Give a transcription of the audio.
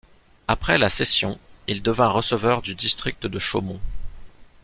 Après la session, il devint receveur du district de Chaumont.